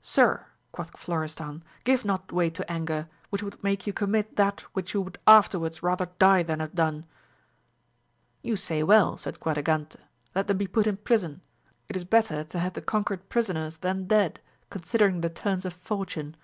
Sir, quoth Florestan, give not way to anger, which would make you commit that which you would afterwards rather die than have done. You say well, said Quadragante, let them be put in prison ; it is better to have the conquered prisoners than dead, considering the turns of fortune.